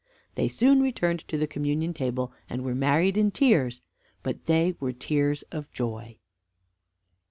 They soon returned to the communion table, and were married in tears, but they were tears of joy.